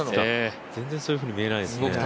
全然そういうふうに見えないですね。